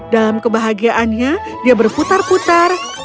dalam kebahagiaannya dia berputar putar